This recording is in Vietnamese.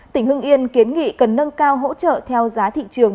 tỉnh hưng yên kiến nghị cần nâng cao hỗ trợ theo giá thị trường